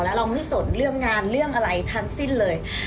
แล้วเราไม่สนเรื่องงานเรื่องอะไรทั้งสิ้นเลย